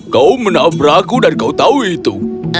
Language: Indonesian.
kau menabrakku dan kau tahu itu